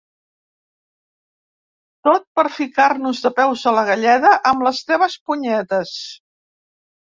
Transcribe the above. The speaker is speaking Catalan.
Tot per ficar-nos de peus a la galleda amb les teves punyetes.